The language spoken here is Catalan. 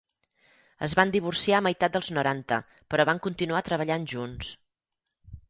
Es van divorciar a meitat dels noranta però van continuar treballant junts.